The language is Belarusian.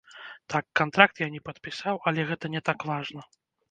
Так, кантракт я не падпісаў, але гэта не так важна.